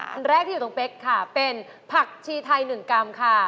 อันแรกที่อยู่ตรงเป๊กค่ะเป็นผักชีไทย๑กรัมค่ะ